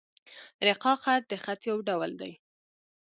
رِقاع خط؛ د خط یو ډول دﺉ.